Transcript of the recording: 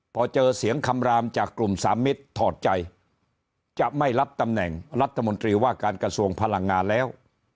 พอเจอเสียงคำรามจากกลุ่มสามมิตรถอดใจจะไม่รับตำแหน่งรัฐมนตรีว่าการกระทรวงพลังงานแล้ว